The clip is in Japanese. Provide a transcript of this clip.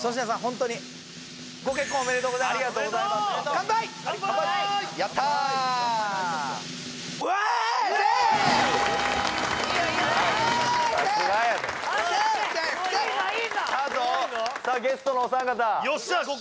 さあゲストのお三方よっしゃ